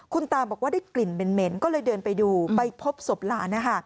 คุณตาบอกว่าได้กลิ่นเหม็นก็เลยเดินไปดูไปพบศพหลาน